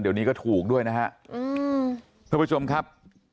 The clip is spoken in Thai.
เดี๋ยวนี้ก็ถูกด้วยนะฮะอืมท่านผู้ชมครับ